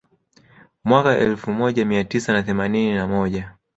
Mwaka elfu moja mia tisa na themanini na moja